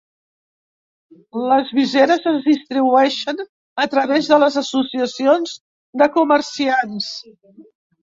Les viseres es distribueixen a través de les associacions de comerciants.